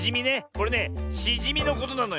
これねしじみのことなのよね。